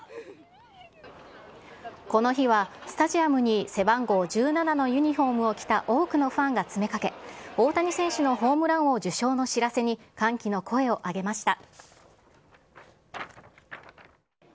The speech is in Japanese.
この日は、スタジアムに背番号１７のユニホームを着た多くのファンが詰めかけ、大谷選手のホームラン王受賞の知らせに、歓喜の声を上げました。